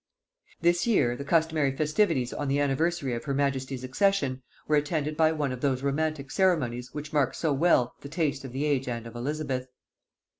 This year the customary festivities on the anniversary of her majesty's accession were attended by one of those romantic ceremonies which mark so well the taste of the age and of Elizabeth.